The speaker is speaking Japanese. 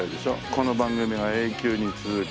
この番組が永久に続く。